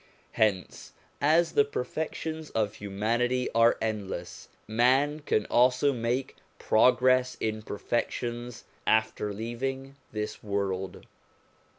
Hence, as the perfections of humanity are endless, man can also make progress in perfections after leaving this world.